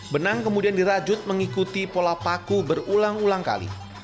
benang kemudian dirajut mengikuti pola paku berulang ulang kali